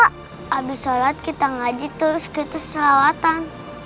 habis sholat kita ngaji terus kita selawatan